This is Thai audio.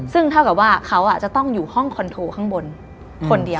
ซึ่งเท่ากับว่าเขาจะต้องอยู่ห้องคอนโทรข้างบนคนเดียว